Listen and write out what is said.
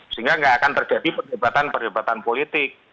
sehingga tidak akan terjadi perdebatan perdebatan politik